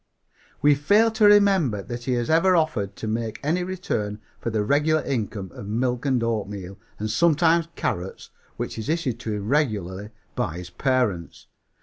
We fail to remember that he has ever offered to make any return for the regular income of milk and oatmeal, and sometimes carrots, which is issued to him regularly by his parents.